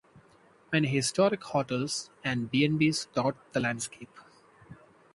Many historic hotels and B and Bs dot the landscape.